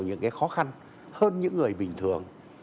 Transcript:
những cái khó khăn hơn những người bình thường